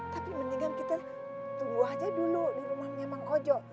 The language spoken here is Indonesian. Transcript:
tapi tapi mendingan kita tunggu aja dulu di rumahnya emang ojo